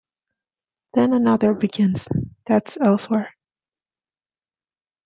Then another begins - that's elsewhere.